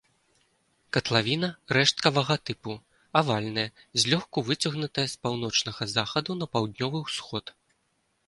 Катлавіна рэшткавага тыпу, авальная, злёгку выцягнутая з паўночнага захаду на паўднёвы ўсход.